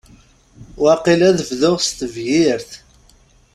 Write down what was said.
Waqil ad bduɣ s tebyirt.